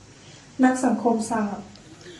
นักสังคมศาสตร์